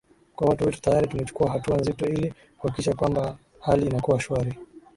kwa watu wetu tayari tumechukua hatua nzito ili kuhakikisha kwamba hali inakuwa shwari